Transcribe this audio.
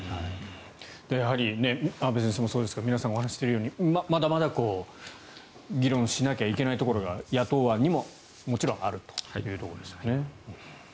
やはり阿部先生もそうですが皆さんもお話ししているとおりまだまだ議論しなきゃいけないところが野党案にも、もちろんあるというところですよね。